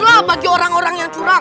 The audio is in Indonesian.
lah bagi orang orang yang curang